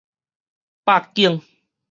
百襇